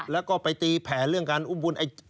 แล้วก็ไปตีแผนเรื่องการอุ้มบุญ